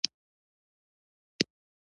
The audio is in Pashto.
مجاهد د نیک عملونو له لارې خدای ته نږدې کېږي.